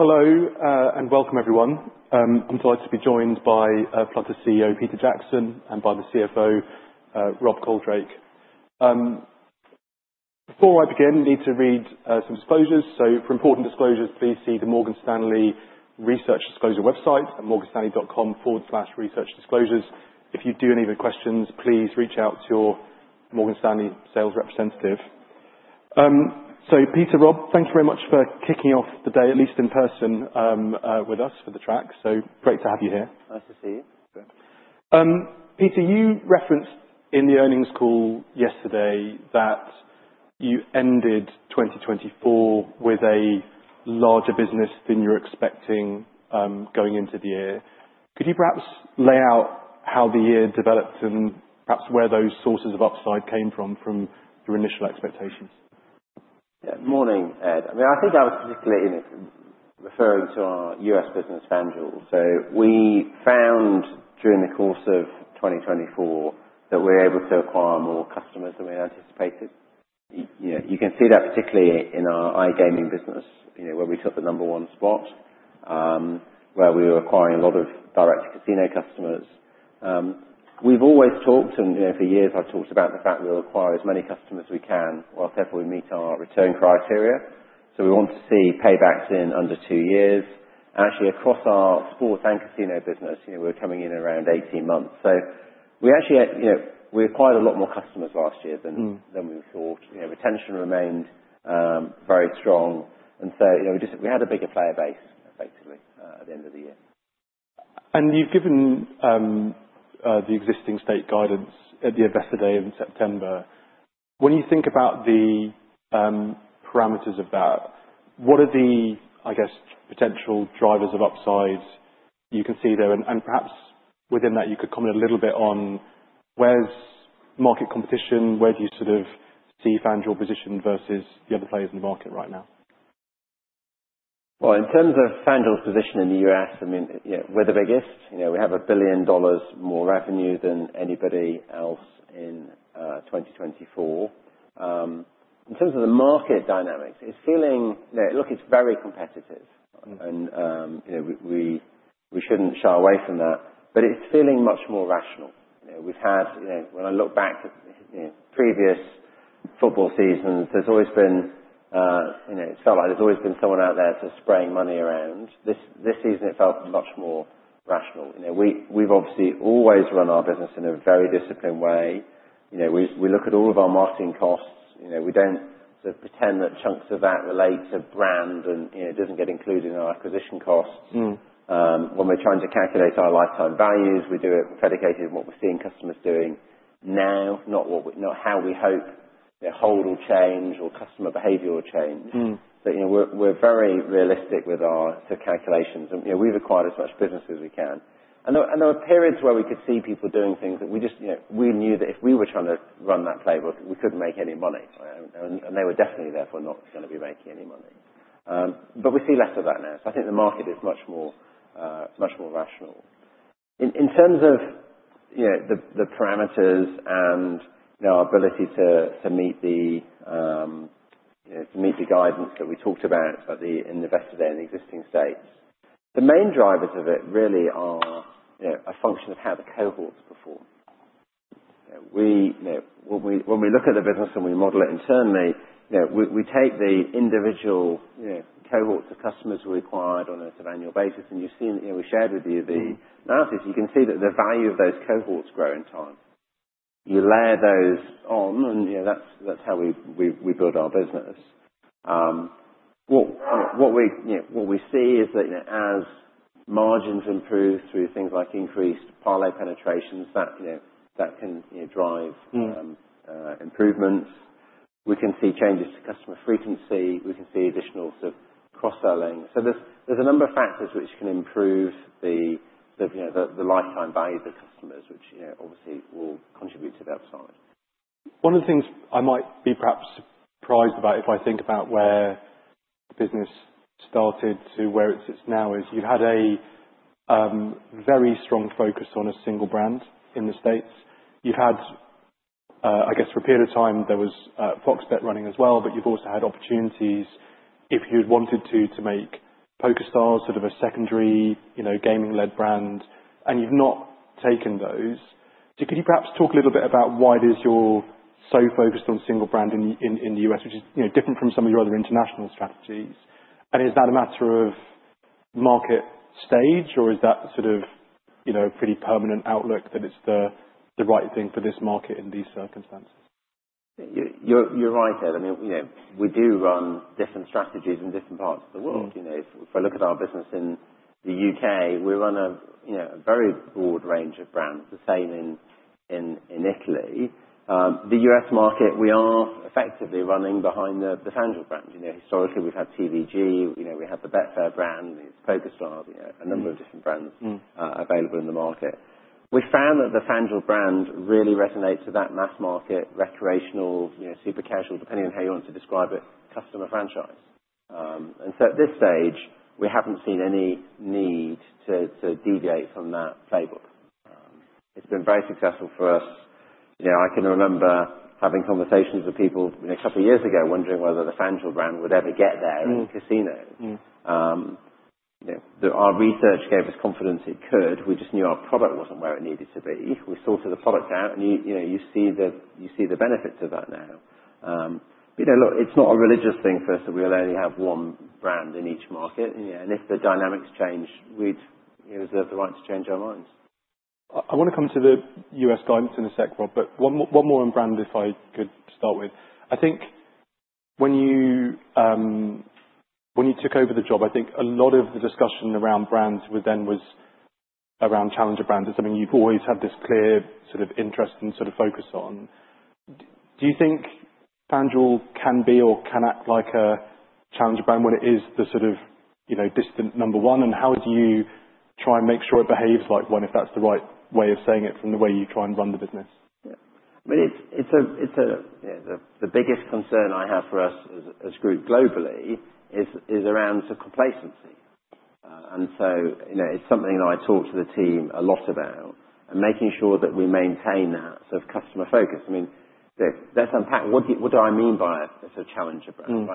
Hello, and welcome, everyone. I'm delighted to be joined by Flutter's CEO, Peter Jackson, and by the CFO, Rob Coldrake. Before I begin, I need to read some disclosures. For important disclosures, please see the Morgan Stanley Research Disclosure website, at morganstanley.com/researchdisclosures. If you do have any questions, please reach out to your Morgan Stanley sales representative. Peter, Rob, thank you very much for kicking off the day, at least in person, with us for the track. Great to have you here. Nice to see you. Peter, you referenced in the earnings call yesterday that you ended 2024 with a larger business than you were expecting going into the year. Could you perhaps lay out how the year developed and perhaps where those sources of upside came from, from your initial expectations? Good morning, Ed. I think I was particularly referring to our U.S. business, FanDuel. We found during the course of 2024 that we were able to acquire more customers than we had anticipated. You can see that particularly in our iGaming business, where we took the number one spot, where we were acquiring a lot of direct casino customers. We've always talked, and for years I've talked about the fact we'll acquire as many customers as we can while carefully meeting our return criteria. We want to see paybacks in under two years. Actually, across our sports and casino business, we're coming in around 18 months. We acquired a lot more customers last year than we thought. Retention remained very strong, and so we had a bigger player base, effectively, at the end of the year. You've given the existing stated guidance at the investor day in September. When you think about the parameters of that, what are the potential drivers of upside you can see there? Perhaps within that, you could comment a little bit on where is market competition, where do you see FanDuel positioned versus the other players in the market right now? In terms of FanDuel's position in the U.S., we're the biggest. We have $1 billion more revenue than anybody else in 2024. In terms of the market dynamics, it's feeling very competitive, and we shouldn't shy away from that. But it's feeling much more rational. When I look back at previous football seasons, there's always been, it felt like there's always been someone out there sort of spraying money around. This season, it felt much more rational. We've obviously always run our business in a very disciplined way. We look at all of our marketing costs. We don't pretend that chunks of that relate to brand, and it doesn't get included in our acquisition costs. When we're trying to calculate our lifetime values, we do it predicated on what we're seeing customers doing now, not how we hope their hold will change or customer behavior will change. We're very realistic with our calculations. We've acquired as much business as we can. There were periods where we could see people doing things that we knew that if we were trying to run that playbook, we couldn't make any money, and they were definitely therefore not going to be making any money. But we see less of that now, so I think the market is much more rational. In terms of the parameters and our ability to meet the guidance that we talked about at the investor day in existing states, the main drivers of it really are a function of how the cohorts perform. When we look at the business and we model it internally, we take the individual cohorts of customers we acquired on an annual basis, and you've seen (we shared with you the analysis). You can see that the value of those cohorts grow in time. You layer those on, and that's how we build our business. What we see is that as margins improve through things like increased parlay penetrations, that can drive improvements. We can see changes to customer frequency. We can see additional cross-selling. There's a number of factors which can improve the lifetime value of the customers, which obviously will contribute to the upside. One of the things I might be perhaps surprised about if I think about where the business started to where it sits now is you've had a very strong focus on a single brand in the States. You've had, for a period of time, there was FOX Bet running as well, but you've also had opportunities, if you'd wanted to, to make PokerStars sort of a secondary gaming-led brand, and you've not taken those. Could you perhaps talk a little bit about why it is you're so focused on a single brand in the U.S., which is different from some of your other international strategies? Is that a matter of market stage, or is that a pretty permanent outlook that it's the right thing for this market in these circumstances? You're right, Ed. We do run different strategies in different parts of the world. If I look at our business in the U.K., we run a very broad range of brands, the same in Italy. The U.S. market, we are effectively running behind the FanDuel brand. Historically, we've had TVG, we had the Betfair brand, we had PokerStars, a number of different brands available in the market. We found that the FanDuel brand really resonates with that mass market, recreational, super casual, depending on how you want to describe it, customer franchise. At this stage, we haven't seen any need to deviate from that playbook. It's been very successful for us. I can remember having conversations with people a couple of years ago wondering whether the FanDuel brand would ever get there in casinos. Our research gave us confidence it could. We just knew our product wasn't where it needed to be. We sorted the product out, and you see the benefits of that now. It's not a religious thing, first of all. We'll only have one brand in each market, and if the dynamics change, we'd reserve the right to change our minds. I want to come to the U.S. guidance in a sec, Rob, but one more on brands, if I could start with. I think when you took over the job, I think a lot of the discussion around brands then was around challenger brands. You've always had this clear interest and focus on. Do you think FanDuel can be or can act like a challenger brand when it is the distant number one? How do you try and make sure it behaves like one, if that's the right way of saying it from the way you try and run the business? The biggest concern I have for us as a group globally is around complacency. It's something that I talk to the team a lot about, making sure that we maintain that customer focus. Let's unpack what I mean by a challenger brand.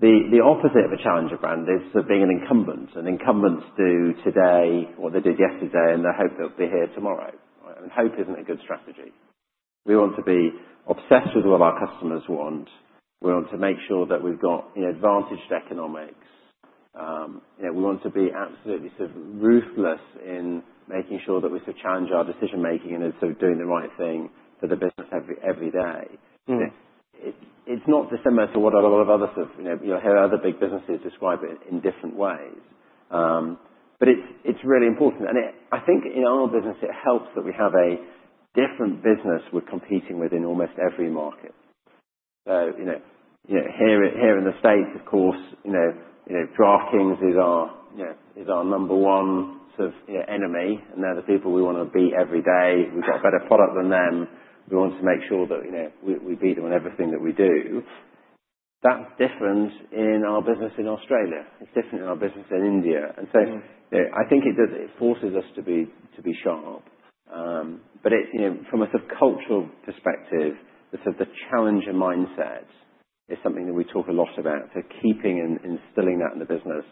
The opposite of a challenger brand is being an incumbent. An incumbent does today what they did yesterday, and they hope they'll be here tomorrow. Hope isn't a good strategy. We want to be obsessed with what our customers want. We want to make sure that we've got advantaged economics. We want to be absolutely ruthless in making sure that we challenge our decision-making and are doing the right thing for the business every day. It's not dissimilar to what a lot of other big businesses describe it in different ways, but it's really important. I think in our business, it helps that we have a different business we're competing with in almost every market. Here in the States, of course, DraftKings is our number one enemy, and they're the people we want to beat every day. We've got a better product than them. We want to make sure that we beat them in everything that we do. That's different in our business in Australia. It's different in our business in India. I think it forces us to be sharp. But from a cultural perspective, the challenger mindset is something that we talk a lot about, keeping and instilling that in the business.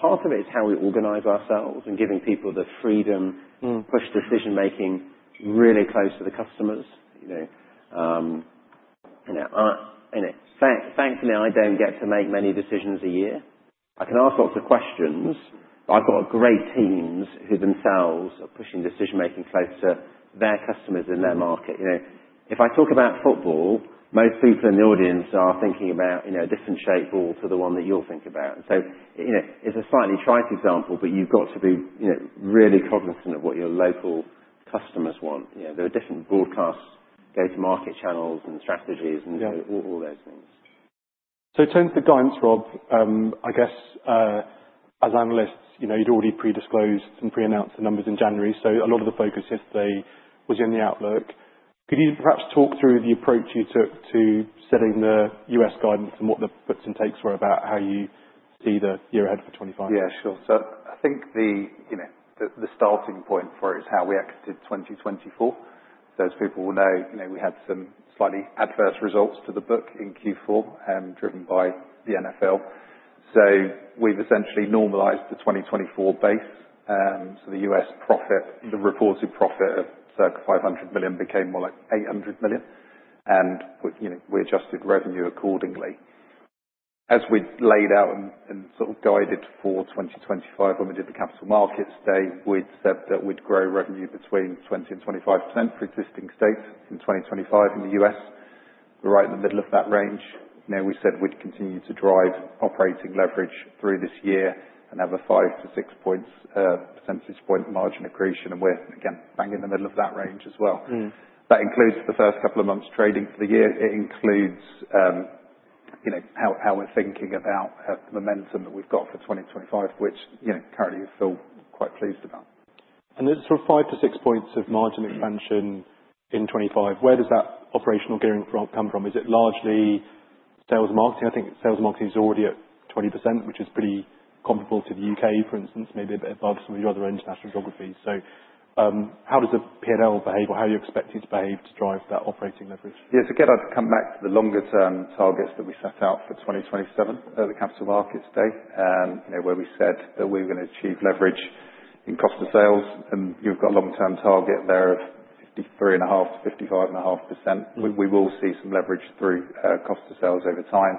Part of it is how we organize ourselves and giving people the freedom to push decision-making really close to the customers. Thankfully, I don't get to make many decisions a year. I can ask lots of questions, but I've got great teams who themselves are pushing decision-making close to their customers in their market. If I talk about football, most people in the audience are thinking about a different shaped ball to the one that you're thinking about. It's a slightly trite example, but you've got to be really cognizant of what your local customers want. There are different broadcasts, go-to-market channels, and strategies, and all those things. In terms of guidance, Rob, I guess as analysts, you'd already pre-disclosed and pre-announced the numbers in January, so a lot of the focus yesterday was in the outlook. Could you perhaps talk through the approach you took to setting the U.S. guidance and what the puts and takes were about how you see the year ahead for 2025? Yeah, sure. I think the starting point for it is how we exited 2024. Those people will know we had some slightly adverse results to the book in Q4, driven by the NFL. We've essentially normalized the 2024 base. The U.S. reported profit of circa $500 million became more like $800 million, and we adjusted revenue accordingly. As we laid out and guided for 2025 when we did the capital markets day, we'd said that we'd grow revenue between 20% and 25% for existing states in 2025 in the U.S. We're right in the middle of that range. We said we'd continue to drive operating leverage through this year and have a five to six percentage point margin accretion, and we're bang in the middle of that range as well. That includes the first couple of months trading for the year. It includes how we're thinking about the momentum that we've got for 2025, which currently we feel quite pleased about. Five to six points of margin expansion in 2025, where does that operational gearing come from? Is it largely sales and marketing? I think sales and marketing is already at 20%, which is pretty comparable to the U.K., for instance, maybe above some of your other international geographies. How does the P&L behave, or how are you expecting it to behave to drive that operating leverage? To get us to come back to the longer-term targets that we set out for 2027 at the capital markets day, where we said that we were going to achieve leverage in cost of sales, and you've got a long-term target there of 53.5%-55.5%. We will see some leverage through cost of sales over time.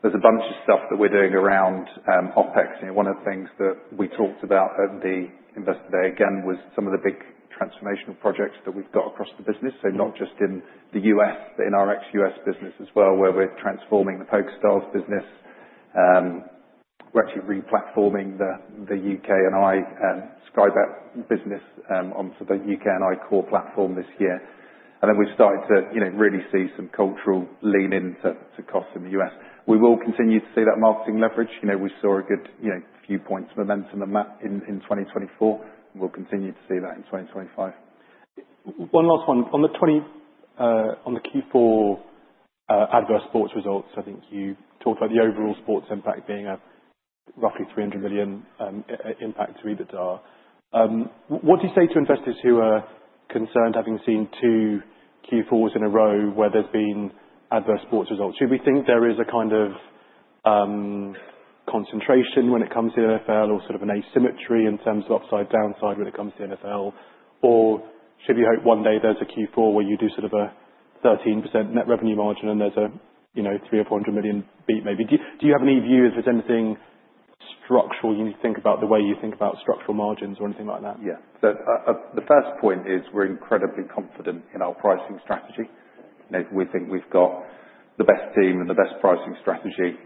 There's a bunch of stuff that we're doing around OPEX. One of the things that we talked about at the investor day again was some of the big transformational projects that we've got across the business, not just in the U.S., but in our ex-U.S. business as well, where we're transforming the PokerStars' business. We're actually re-platforming the U.K. and Ireland Sky Bet business onto the U.K. and Ireland core platform this year. We've started to really see some cultural leaning to costs in the U.S. We will continue to see that marketing leverage. We saw a good few points of momentum in 2024. We'll continue to see that in 2025. One last one. On the Q4 adverse sports results, I think you talked about the overall sports impact being a roughly $300 million impact to EBITDA. What do you say to investors who are concerned, having seen two Q4s in a row where there's been adverse sports results? Should we think there is a kind of concentration when it comes to NFL, or an asymmetry in terms of upside, downside when it comes to NFL, or should we hope one day there's a Q4 where you do a 13% net revenue margin and there's a $300 or $400 million beat maybe? Do you have any view if there's anything structural you need to think about, the way you think about structural margins or anything like that? Yeah. The first point is we're incredibly confident in our pricing strategy. We think we've got the best team and the best pricing strategy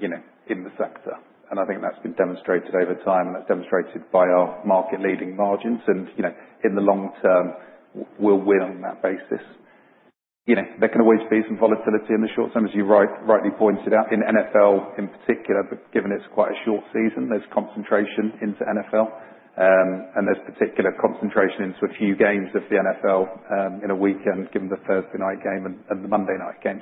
in the sector. I think that's been demonstrated over time, and that's demonstrated by our market-leading margins. In the long term, we'll win on that basis. There can always be some volatility in the short term, as you rightly pointed out. In NFL in particular, given it's quite a short season, there's concentration into NFL, and there's particular concentration into a few games of the NFL in a weekend, given the Thursday night game and the Monday night game.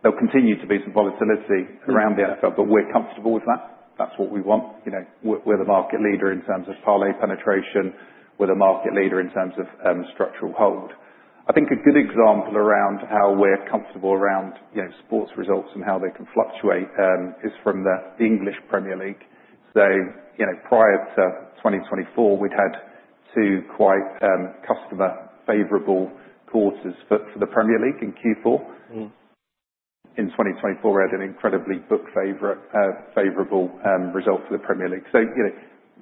There'll continue to be some volatility around the NFL, but we're comfortable with that. That's what we want. We're the market leader in terms of parlay penetration. We're the market leader in terms of structural hold. I think a good example around how we're comfortable around sports results and how they can fluctuate is from the English Premier League. Prior to 2024, we'd had two quite customer-favorable quarters for the Premier League in Q4. In 2024, we had an incredibly book-favorable result for the Premier League.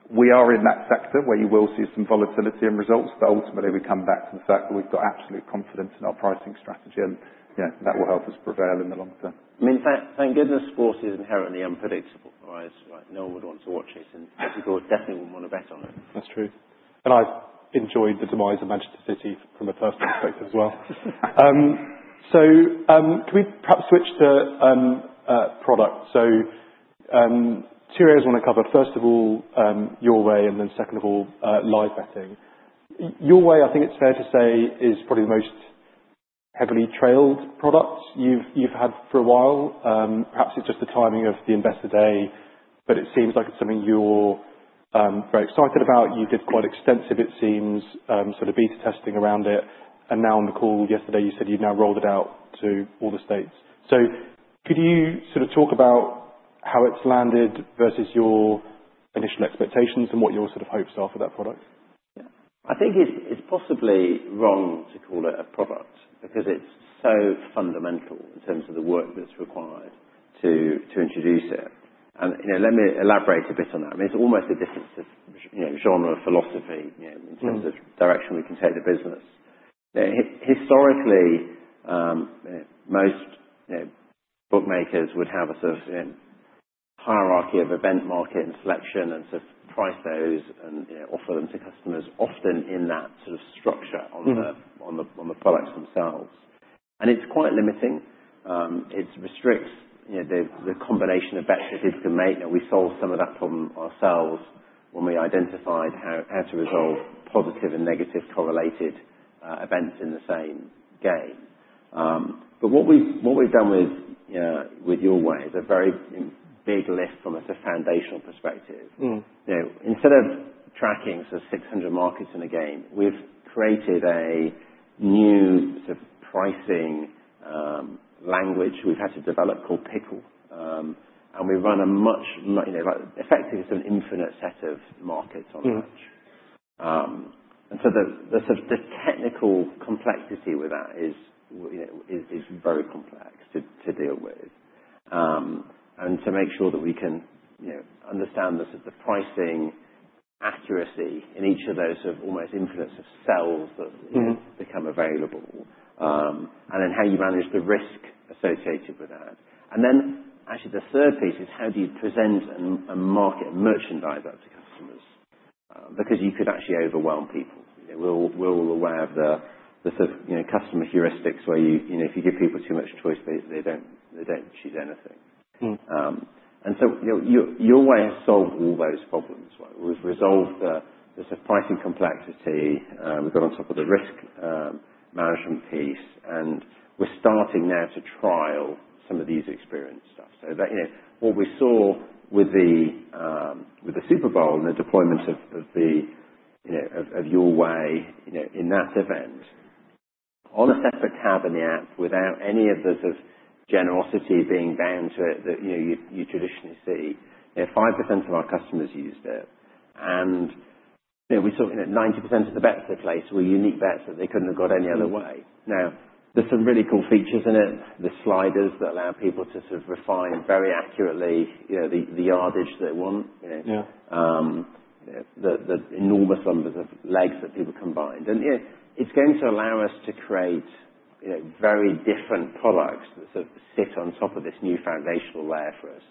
We are in that sector where you will see some volatility in results, but ultimately, we come back to the fact that we've got absolute confidence in our pricing strategy, and that will help us prevail in the long term. Thank goodness sport is inherently unpredictable. No one would want to watch it, and people definitely wouldn't want to bet on it. That's true. I've enjoyed the demise of Manchester City from a personal perspective as well. Can we perhaps switch to product? Two areas I want to cover. First of all, Your Way, and then second of all, live betting. Your Way, I think it's fair to say, is probably the most heavily trailed product you've had for a while. Perhaps it's just the timing of the investor day, but it seems like it's something you're very excited about. You did quite extensive, it seems, beta testing around it. Now, on the call yesterday, you said you'd now rolled it out to all the states. Could you talk about how it's landed versus your initial expectations and what your hopes are for that product? I think it's possibly wrong to call it a product because it's so fundamental in terms of the work that's required to introduce it. Let me elaborate a bit on that. It's almost a different genre philosophy in terms of direction we can take the business. Historically, most bookmakers would have a hierarchy of event market and selection and price those and offer them to customers, often in that structure on the products themselves. It's quite limiting. It restricts the combination of bets that people can make. We solved some of that problem ourselves when we identified how to resolve positive and negative correlated events in the same game. But what we've done with Your Way is a very big lift from a foundational perspective. Instead of tracking 600 markets in a game, we've created a new pricing language we've had to develop called Pickle. We run a much more effective infinite set of markets on match. The technical complexity with that is very complex to deal with and to make sure that we can understand the pricing accuracy in each of those almost infinite cells that become available, and then how you manage the risk associated with that. Then the third piece is how do you present a market and merchandise it to customers? Because you could actually overwhelm people. We're all aware of the customer heuristics where if you give people too much choice, they don't choose anything. Your Way has solved all those problems. We've resolved the pricing complexity. We've got on top of the risk management piece, and we're starting now to trial some of these experience stuff. What we saw with the Super Bowl and the deployment of Your Way in that event, on a separate tab in the app, without any of the generosity being bound to it that you traditionally see, 5% of our customers used it. We saw 90% of the bets they placed were unique bets that they couldn't have got any other way. Now, there's some really cool features in it, the sliders that allow people to refine very accurately the yardage they want, the enormous numbers of legs that people combined. It's going to allow us to create very different products that sit on top of this new foundational layer for us.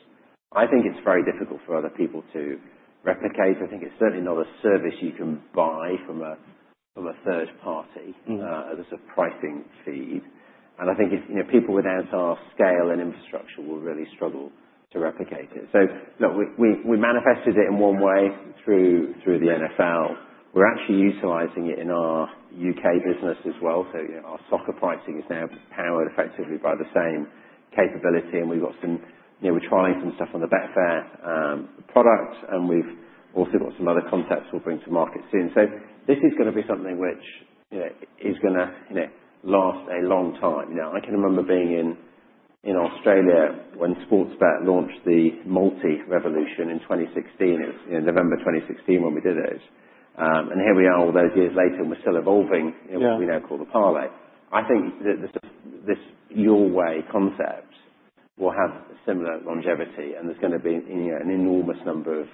I think it's very difficult for other people to replicate. I think it's certainly not a service you can buy from a third party as a pricing feed. I think people with our scale and infrastructure will really struggle to replicate it. We manifested it in one way through the NFL. We're actually utilizing it in our U.K. business as well. Our soccer pricing is now powered effectively by the same capability, and we're trying some stuff on the Betfair product, and we've also got some other concepts we'll bring to market soon. This is going to be something which is going to last a long time. I can remember being in Australia when Sportsbet launched the multi-revolution in November 2016 when we did it. Here we are all those years later, and we're still evolving what we now call the parlay. I think this Your Way concept will have similar longevity, and there's going to be an enormous number of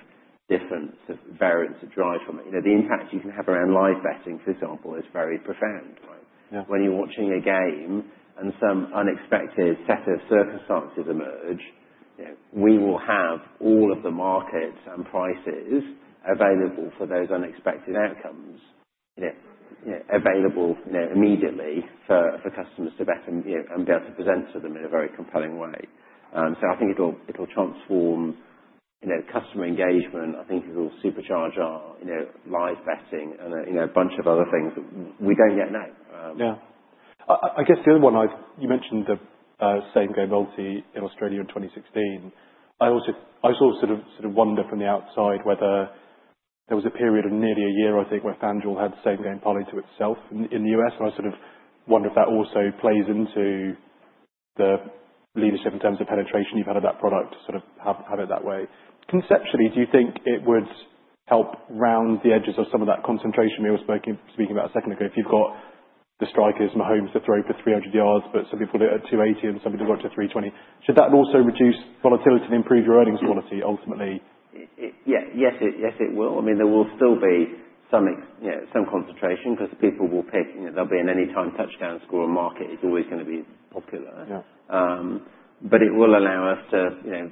different variants to drive from it. The impact you can have around live betting, for example, is very profound. When you're watching a game and some unexpected set of circumstances emerge, we will have all of the markets and prices available for those unexpected outcomes, available immediately for customers to bet and be able to present to them in a very compelling way. I think it'll transform customer engagement. I think it'll supercharge our live betting and a bunch of other things that we don't yet know. Yeah. I guess the other one, you mentioned the Same Game Multi in Australia in 2016. I also wonder from the outside whether there was a period of nearly a year, I think, where FanDuel had the Same Game Parlay to itself in the U.S. I wonder if that also plays into the leadership in terms of penetration you've had of that product to have it that way. Conceptually, do you think it would help round the edges of some of that concentration we were speaking about a second ago? If you've got the strikers, Mahomes to throw for 300 yards, but some people do it at 280, and some people go up to 320, should that also reduce volatility and improve your earnings quality ultimately? Yes, it will. There will still be some concentration because people will pick. There'll be an anytime touchdown scorer market. It's always going to be popular. But it will allow us to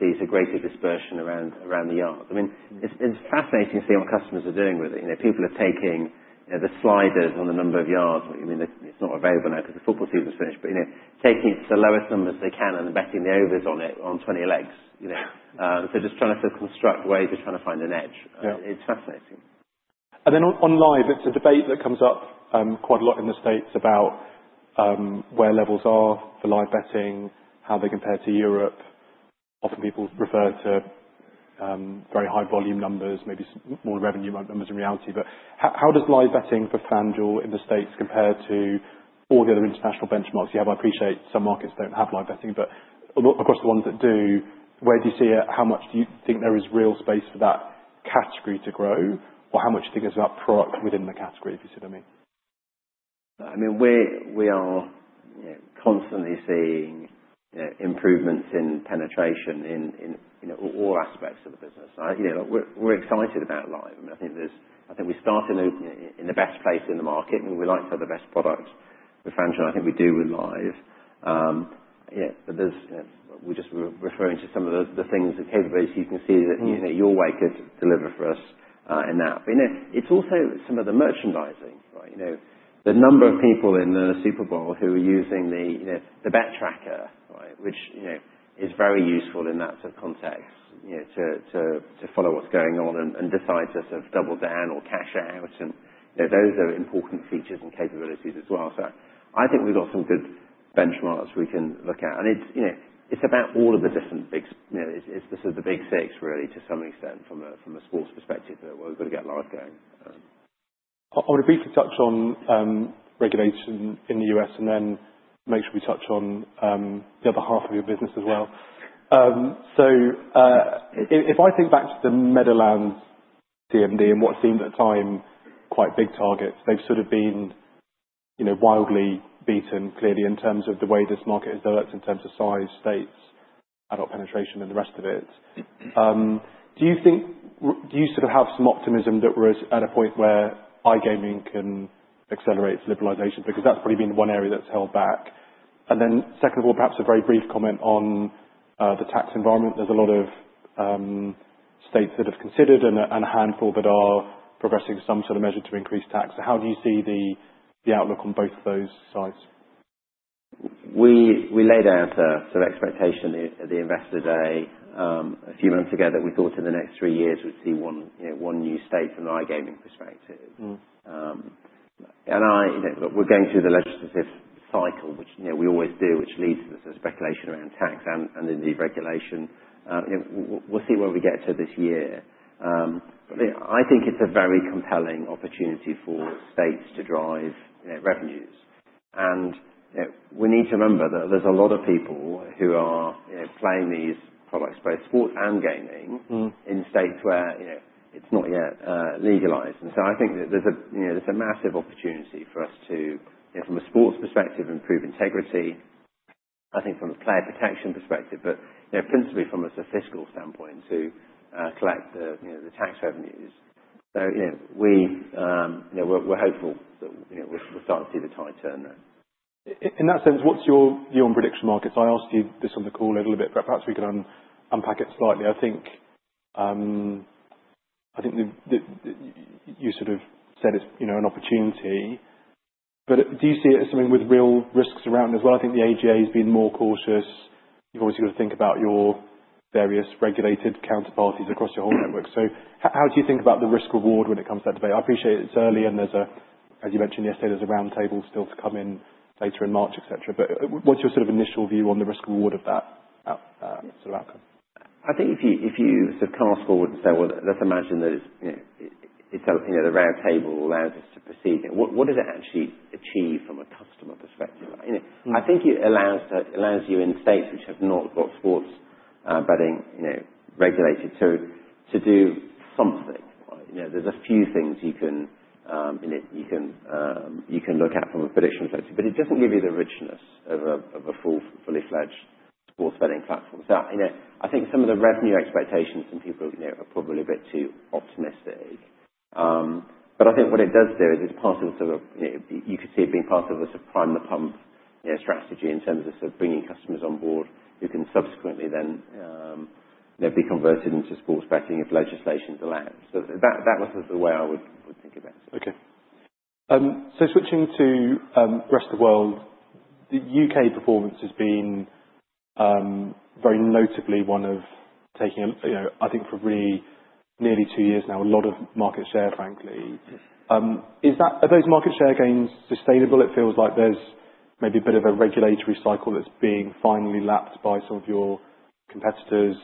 see a greater dispersion around the yards. It's fascinating to see what customers are doing with it. People are taking the sliders on the number of yards. It's not available now because the football season's finished, but taking it to the lowest numbers they can and betting the overs on it on 20 legs. Just trying to construct ways of trying to find an edge. It's fascinating. Then on live, it's a debate that comes up quite a lot in the States about where levels are for live betting, how they compare to Europe. Often people refer to very high volume numbers, maybe more revenue numbers in reality. How does live betting for FanDuel in the States compare to all the other international benchmarks? Yeah, I appreciate some markets don't have live betting, but across the ones that do, where do you see it? How much do you think there is real space for that category to grow, or how much do you think there's about product within the category, if you see what I mean? We are constantly seeing improvements in penetration in all aspects of the business. We're excited about live. I think we started in the best place in the market, and we'd like to have the best product with FanDuel, and I think we do with live. We're just referring to some of the things, the capabilities you can see that Your Way could deliver for us in that. It's also some of the merchandising. The number of people in the Super Bowl who are using the bet tracker, which is very useful in that context to follow what's going on and decide to double down or cash out. Those are important features and capabilities as well. I think we've got some good benchmarks we can look at. It's about all of the different bets. It's the big six really to some extent from a sports perspective where we've got to get live going. I want to briefly touch on regulation in the U.S. and then make sure we touch on the other half of your business as well. If I think back to the Meadowlands CMD and what seemed at the time quite big targets, they've been wildly beaten clearly in terms of the way this market has developed in terms of size, states, adult penetration, and the rest of it. Do you have some optimism that we're at a point where iGaming can accelerate its liberalization? Because that's probably been one area that's held back. Then second of all, perhaps a very brief comment on the tax environment. There's a lot of states that have considered and a handful that are progressing some sort of measure to increase tax. How do you see the outlook on both of those sides? We laid out the expectation at the investor day a few months ago that we thought in the next three years we'd see one new state from the iGaming perspective. We're going through the legislative cycle, which we always do, which leads to the speculation around tax and the deregulation. We'll see where we get to this year. I think it's a very compelling opportunity for states to drive revenues. We need to remember that there's a lot of people who are playing these products, both sports and gaming, in states where it's not yet legalized. I think there's a massive opportunity for us to, from a sports perspective, improve integrity. I think from a player protection perspective, but principally from a fiscal standpoint to collect the tax revenues. We're hopeful that we'll start to see the tide turn there. In that sense, what's your prediction markets? I asked you this on the call a little bit, but perhaps we can unpack it slightly. I think you said it's an opportunity, but do you see it as something with real risks around as well? I think the AGA has been more cautious. You've obviously got to think about your various regulated counterparties across your whole network. How do you think about the risk-reward when it comes to that debate? I appreciate it's early, and as you mentioned yesterday, there's a roundtable still to come in later in March, etc. But what's your initial view on the risk-reward of that outcome? I think if you take us forward and say, "Let's imagine that the roundtable allows us to proceed," what does it actually achieve from a customer perspective? I think it allows you in states which have not got sports betting regulated to do something. There's a few things you can look at from a prediction perspective, but it doesn't give you the richness of a full-fledged sports betting platform. I think some of the revenue expectations from people are probably a bit too optimistic. But I think what it does do is it's part of you could see it being part of a prime the pump strategy in terms of bringing customers on board who can subsequently then be converted into sports betting if legislation's allowed. That was the way I would think about it. Okay. Switching to the rest of the world, the U.K. performance has been very notably one of taking, I think, for nearly two years now, a lot of market share, frankly. Are those market share gains sustainable? It feels like there's maybe a bit of a regulatory cycle that's being finally lapped by some of your competitors.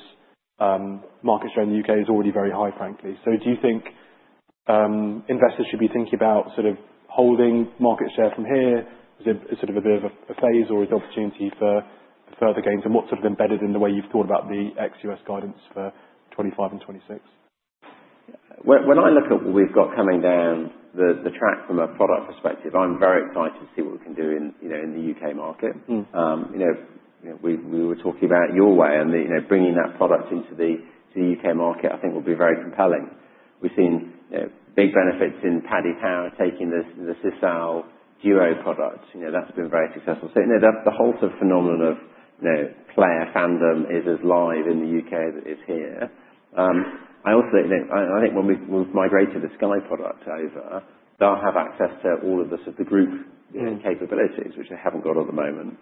Market share in the U.K. is already very high, frankly. Do you think investors should be thinking about holding market share from here? Is it a bit of a phase or is it an opportunity for further gains? And what's embedded in the way you've thought about the ex-U.S. guidance for 2025 and 2026? When I look at what we've got coming down the track from a product perspective, I'm very excited to see what we can do in the U.K. market. We were talking about Your Way, and bringing that product into the U.K. market, I think, will be very compelling. We've seen big benefits in Paddy Power taking the Sisal Duo product. That's been very successful. The whole phenomenon of player fandom is as alive in the U.K. as it is here. I think when we've migrated the Sky product over, they'll have access to all of the group capabilities, which they haven't got at the moment.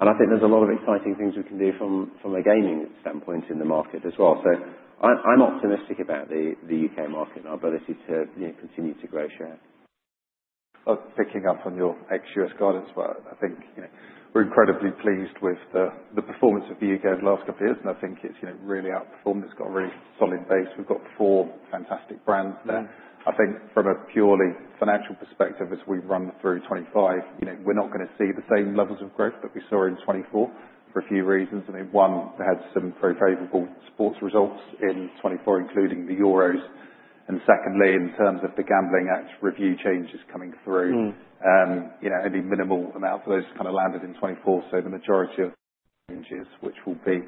I think there's a lot of exciting things we can do from a gaming standpoint in the market as well. I'm optimistic about the U.K. market and our ability to continue to grow share. Picking up on your ex-U.S. guidance, I think we're incredibly pleased with the performance of the U.K. over the last couple of years. I think it's really outperformed. It's got a really solid base. We've got four fantastic brands there. I think from a purely financial perspective, as we run through 2025, we're not going to see the same levels of growth that we saw in 2024 for a few reasons. One, they had some very favorable sports results in 2024, including the Euros. Secondly, in terms of the Gambling Act review changes coming through, any minimal amount for those kind of landed in 2024. The majority of changes, which will be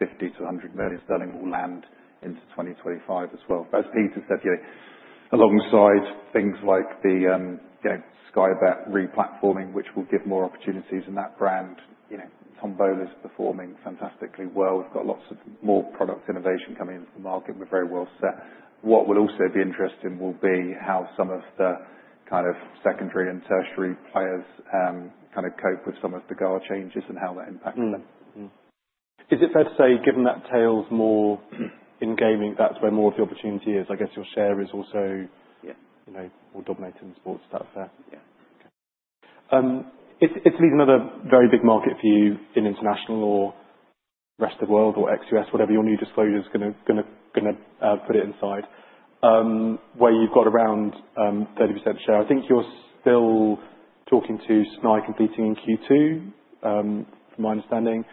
50-100 million sterling, will land into 2025 as well. As Peter said, alongside things like the Sky Bet replatforming, which will give more opportunities in that brand, Tombola is performing fantastically well. We've got lots of more product innovation coming into the market. We're very well set. What will also be interesting will be how some of the secondary and tertiary players cope with some of the guard changes and how that impacts them. Is it fair to say, given that tail's more in gaming, that's where more of the opportunity is? I guess your share is also more dominating sports. Is that fair? Yeah. It's at least another very big market for you in international or rest of the world or ex-U.S., whatever your new disclosure is going to put it inside, where you've got around 30% share. I think you're still talking to Snai competing in Q2, from my understanding.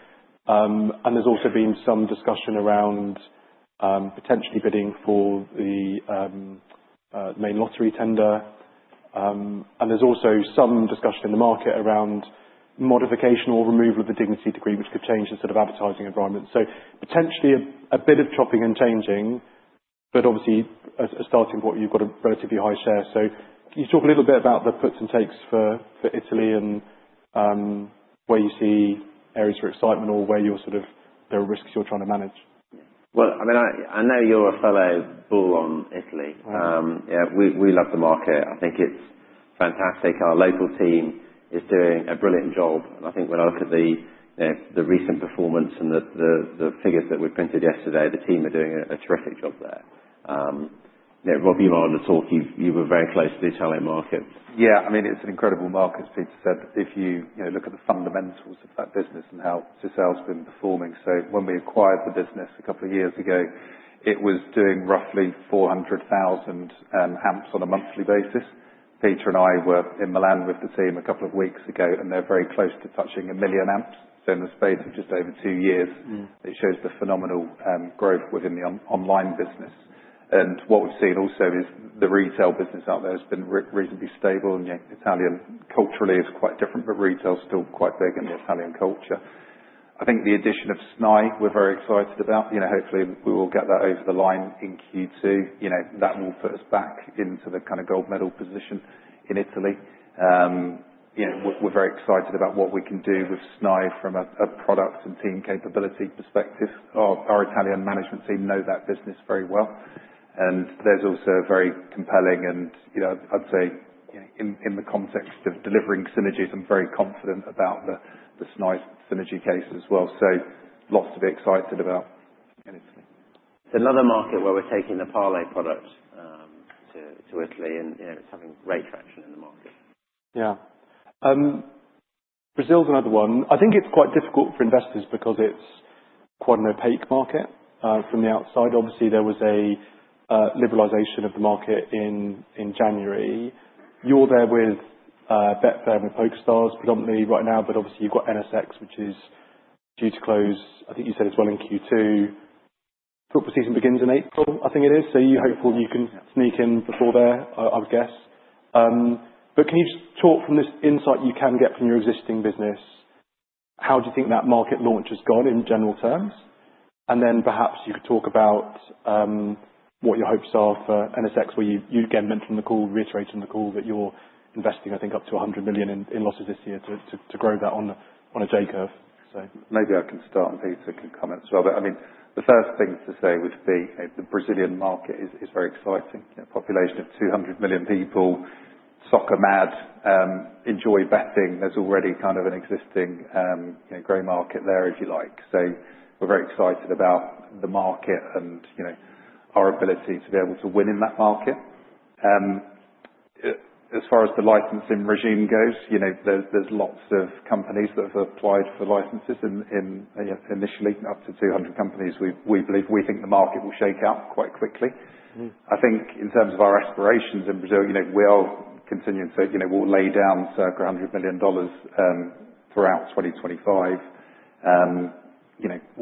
There's also been some discussion around potentially bidding for the main lottery tender. There's also some discussion in the market around modification or removal of the Dignity Decree, which could change the advertising environment. Potentially a bit of chopping and changing, but obviously, starting point, you've got a relatively high share. Can you talk a little bit about the puts and takes for Italy and where you see areas for excitement or where there are risks you're trying to manage? I know you're a fellow bull on Italy. We love the market. I think it's fantastic. Our local team is doing a brilliant job. I think when I look at the recent performance and the figures that we printed yesterday, the team are doing a terrific job there. Rob, you were on the trip. You were very close to the Italian market. Yeah. It's an incredible market, as Peter said, if you look at the fundamentals of that business and how Sisal's been performing. When we acquired the business a couple of years ago, it was doing roughly 400,000 AMPs on a monthly basis. Peter and I were in Milan with the team a couple of weeks ago, and they're very close to touching a million AMPs. In the space of just over two years, it shows the phenomenal growth within the online business. What we've seen also is the retail business out there has been reasonably stable. Italian culturally is quite different, but retail's still quite big in the Italian culture. I think the addition of Snai. We're very excited about. Hopefully, we will get that over the line in Q2. That will put us back into the gold medal position in Italy. We're very excited about what we can do with Snai from a product and team capability perspective. Our Italian management team know that business very well. There's also a very compelling, and I'd say in the context of delivering synergies, I'm very confident about the Snaisynergy case as well. Lots to be excited about in Italy. It's another market where we're taking the Parlay product to Italy, and it's having great traction in the market. Yeah. Brazil's another one. I think it's quite difficult for investors because it's quite an opaque market from the outside. Obviously, there was a liberalization of the market in January. You're there with Betfair and with PokerStars predominantly right now, but obviously, you've got NSX, which is due to close, I think you said as well, in Q2. Football season begins in April, I think it is. Are you hopeful you can sneak in before there, I would guess? Can you just talk from this insight you can get from your existing business, how do you think that market launch has gone in general terms? Then perhaps you could talk about what your hopes are for NSX, where you again mentioned in the call, reiterated in the call, that you're investing up to $100 million in losses this year to grow that on a J Curve. Maybe I can start, and Peter can comment as well. The first thing to say would be the Brazilian market is very exciting. Population of 200 million people, soccer mad, enjoy betting. There's already an existing gray market there, if you like. We're very excited about the market and our ability to be able to win in that market. As far as the licensing regime goes, there's lots of companies that have applied for licenses initially, up to 200 companies. We think the market will shake out quite quickly. I think in terms of our aspirations in Brazil, we'll continue to lay down circa $100 million throughout 2025.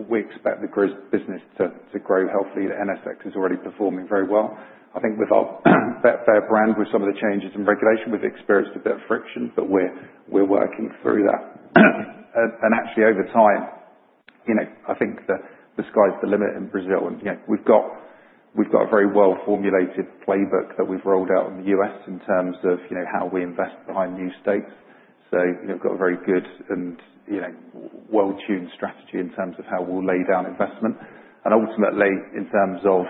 We expect the business to grow healthily. NSX is already performing very well. I think with our Betfair brand, with some of the changes in regulation, we've experienced a bit of friction, but we're working through that. Actually, over time, I think the sky's the limit in Brazil. We've got a very well-formulated playbook that we've rolled out in the U.S. in terms of how we invest behind new states. We've got a very good and well-tuned strategy in terms of how we'll lay down investment. Ultimately, in terms of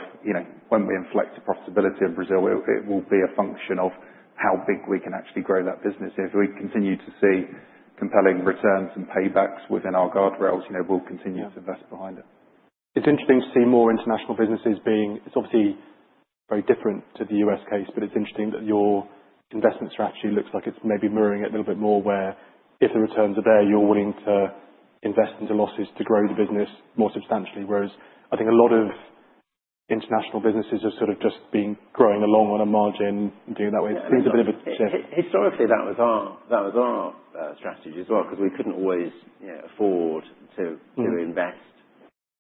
when we inflect the profitability of Brazil, it will be a function of how big we can actually grow that business. If we continue to see compelling returns and paybacks within our guardrails, we'll continue to invest behind it. It's interesting to see more international businesses being... It's obviously very different to the U.S. case, but it's interesting that your investment strategy looks like it's maybe mirroring it a little bit more, where if the returns are there, you're willing to invest into losses to grow the business more substantially, whereas I think a lot of international businesses have just been growing along on a margin and doing it that way. It seems a bit of a shift. Historically, that was our strategy as well, because we couldn't always afford to invest,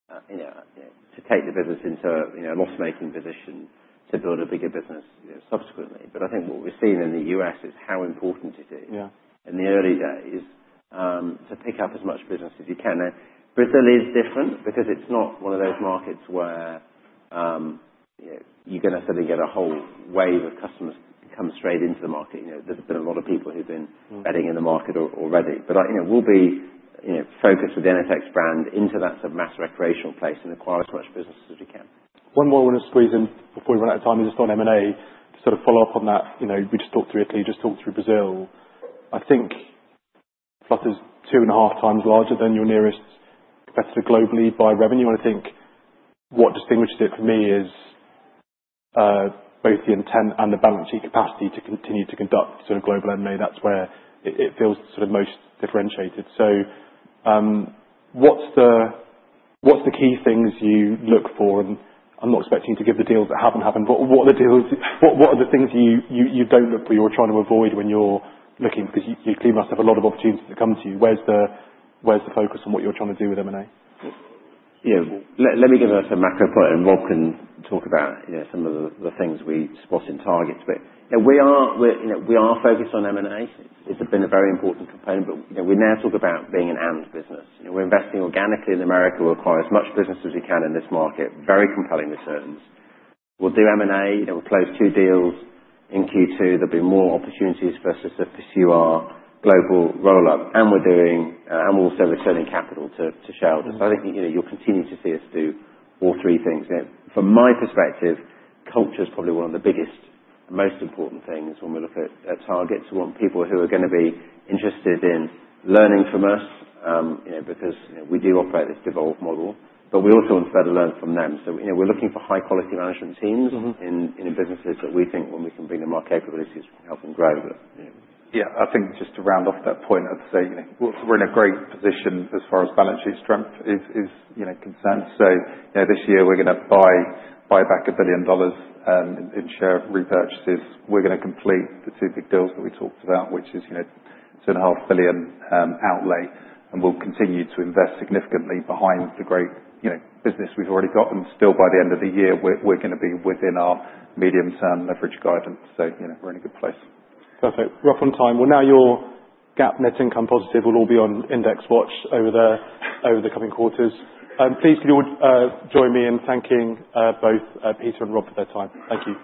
to take the business into a loss-making position to build a bigger business subsequently. But I think what we've seen in the U.S. is how important it is in the early days to pick up as much business as you can. Brazil is different because it's not one of those markets where you're going to suddenly get a whole wave of customers come straight into the market. There's been a lot of people who've been betting in the market already. We'll be focused with the NSX brand into that sort of mass recreational place and acquire as much business as we can. One more I want to squeeze in before we run out of time. Just on M&A, to follow up on that, we just talked through Italy, just talked through Brazil. I think Flutter's two and a half times larger than your nearest competitor globally by revenue. I think what distinguishes it for me is both the intent and the balance sheet capacity to continue to conduct global M&A. That's where it feels most differentiated. What's the key things you look for? I'm not expecting you to give the deals that haven't happened, but what are the things you don't look for, you're trying to avoid when you're looking? Because you clearly must have a lot of opportunities that come to you. Where's the focus on what you're trying to do with M&A? Let me give us a macro point, and Rob can talk about some of the things we spot in targets. We are focused on M&A. It's been a very important component, but we now talk about being an amped business. We're investing organically in America. We'll acquire as much business as we can in this market, very compelling returns. We'll do M&A. We'll close two deals in Q2. There'll be more opportunities for us to pursue our global roll-up, and we're also returning capital to shareholders. I think you'll continue to see us do all three things. From my perspective, culture is probably one of the biggest, most important things when we look at targets. We want people who are going to be interested in learning from us, because we do operate this devolved model, but we also want to be able to learn from them. We're looking for high-quality management teams in businesses that we think, when we can bring them our capabilities, we can help them grow. Yeah. I think just to round off that point, I'd say we're in a great position as far as balance sheet strength is concerned. This year, we're going to buy back $1 billion in share repurchases. We're going to complete the two big deals that we talked about, which is $2.5 billion outlay, and we'll continue to invest significantly behind the great business we've already got. Still, by the end of the year, we're going to be within our medium-term leverage guidance. We're in a good place. Perfect. Right on time. Well, now you're GAAP net income positive. We'll all be on index watch over the coming quarters. Please join me in thanking both Peter and Rob for their time. Thank you.